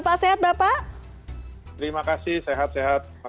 salam sehat bapak sehat bapak